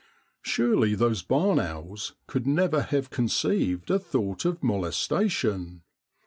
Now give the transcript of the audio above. Surely those barn owls could never have con ceived a thought of molestation.